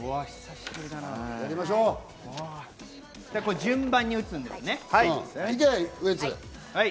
順番に打つんですね。